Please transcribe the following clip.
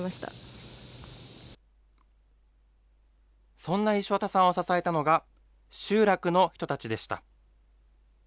そんな石渡さんを支えたのが、集落の人たちでした。